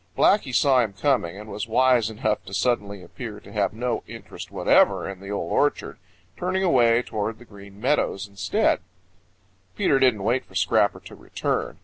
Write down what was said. Blacky saw him coming and was wise enough to suddenly appear to have no interest whatever in the Old Orchard, turning away toward the Green Meadows instead. Peter didn't wait for Scrapper to return.